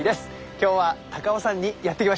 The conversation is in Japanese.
今日は高尾山にやってきました。